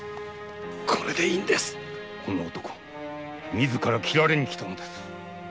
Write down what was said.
この男自ら斬られに来たのです。